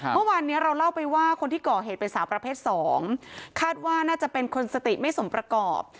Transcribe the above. เมื่อวานนี้เราเล่าไปว่าคนที่ก่อเหตุเป็นสาวประเภทสองคาดว่าน่าจะเป็นคนสติไม่สมประกอบ